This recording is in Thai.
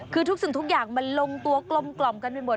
คือทุกสิ่งทุกอย่างมันลงตัวกลมกล่อมกันไปหมด